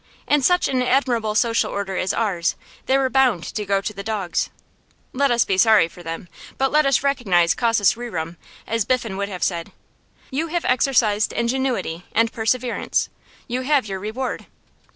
In such an admirable social order as ours, they were bound to go to the dogs. Let us be sorry for them, but let us recognise causas rerum, as Biffen would have said. You have exercised ingenuity and perseverance; you have your reward.